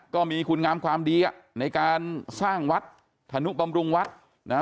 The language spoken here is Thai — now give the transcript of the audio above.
ก็มีคุณงามความดีอ่ะในการสร้างวัดธนุบำรุงวัดนะฮะ